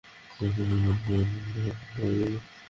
আমি তোমাদের দুজনকে ছেড়ে কোত্থাও যাচ্ছি না।